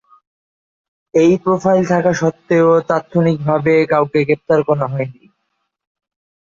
এই প্রোফাইল থাকা সত্ত্বেও, তাৎক্ষণিকভাবে কাউকে গ্রেপ্তার করা হয়নি।